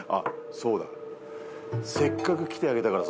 そうだ。